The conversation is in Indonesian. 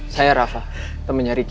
saya rafa temennya riki